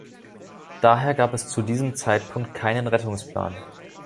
Daher gab es zu diesem Zeitpunkt keinen Rettungsplan.